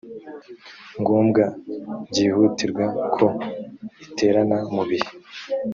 ngombwa byihutirwa ko iterana mu bihe